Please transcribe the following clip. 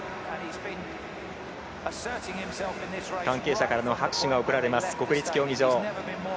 関係者からの拍手が送られます国立競技場。